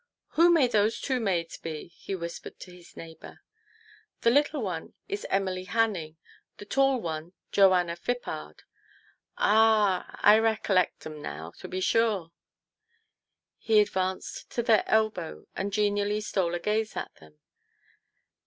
" Who may those two maids be ?" he whispered to his neighbour. " The little one is Emily Hanning ; the tall one Joanna Phippard." " Ah ! I recollect 'em now, to be sure." He advanced to their elbow, and genially stole a gaze at them.